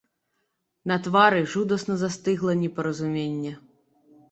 На твары жудасна застыгла непаразуменне.